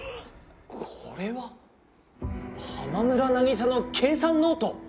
これは「浜村渚の計算ノート」